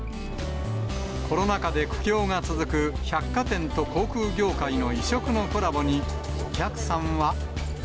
コロナ禍で苦境が続く百貨店と航空業界の異色のコラボに、お客さんは。